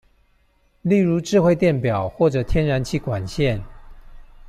例如智慧電錶或者天然氣管線